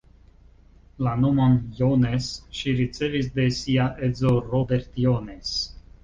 La nomon „Jones“ ŝi ricevis de sia edzo Robert Jones.